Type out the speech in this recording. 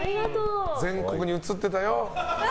全国に映ってたよ。